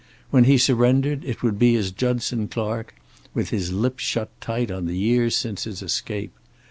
When he surrendered it would be as Judson Clark, with his lips shut tight on the years since his escape.